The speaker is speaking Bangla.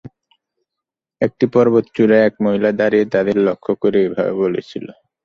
একটি পর্বত-চূড়ায় এক মহিলা দাড়িয়ে তাদের লক্ষ্য করে এভাবে বলছিল।